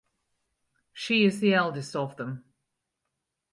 She is the eldest of them.